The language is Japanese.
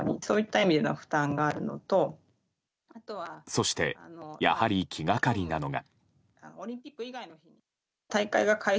そして、やはり気がかりなのが。